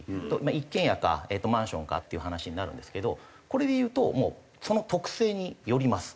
一軒家かマンションかっていう話になるんですけどこれでいうともうその特性によります。